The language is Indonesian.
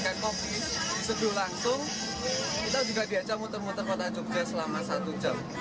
diseduh langsung kita juga biasa muter muter kota jogja selama satu jam